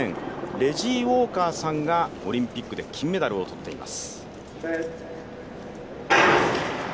南アフリカは１９０８年、レジー・ウォーカーさんがオリンピックで金メダルを取っています。